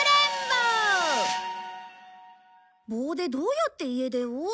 棒でどうやって家出を？